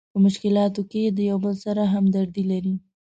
په مشکلاتو کې د یو بل سره همدردي لري.